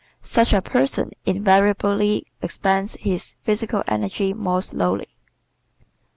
Such a person invariably expends his physical energy more slowly.